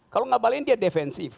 kalau ngabalin dia defensif